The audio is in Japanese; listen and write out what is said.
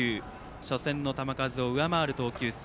初戦の球数を上回る投球数。